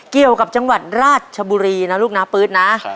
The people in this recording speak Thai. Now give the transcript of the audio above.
เกี่ยวกับจังหวัดราชบุรีนะลูกนะปื๊ดนะ